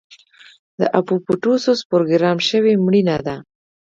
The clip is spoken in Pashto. د اپوپټوسس پروګرام شوې مړینه ده.